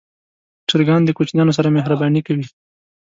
چرګان د کوچنیانو سره مهرباني کوي.